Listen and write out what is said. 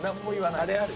「あれある？」